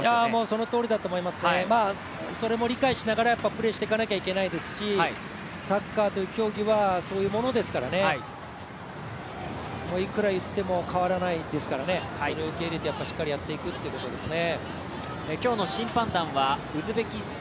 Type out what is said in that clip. そのとおりだと思いますね、それも理解しながらプレーしていかなきゃいけないですしサッカーという競技はそういうものですからね、いくら言っても変わらないですからね、それを受け入れてしっかりやっていくということですね。